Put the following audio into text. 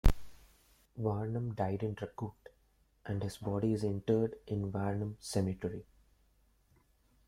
Varnum died in Dracut, and his body is interred in Varnum Cemetery.